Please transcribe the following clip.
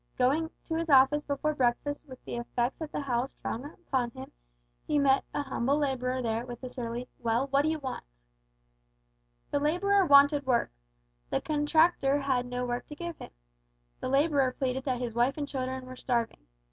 Going to his office before breakfast with the effects of the howl strong upon him, he met a humble labourer there with a surly "Well, what do you want?" The labourer wanted work. The contractor had no work to give him. The labourer pleaded that his wife and children were starving.